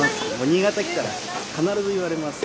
新潟来たら必ず言われます。